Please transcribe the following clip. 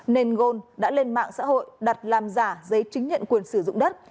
nên gôn đã lên mạng xã hội đặt làm giả giấy chứng nhận quyền sử dụng đất